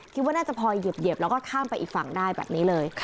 คิดว่าน่าจะพอเหยียบแล้วก็ข้ามไปอีกฝั่งได้แบบนี้เลย